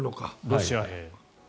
ロシア兵。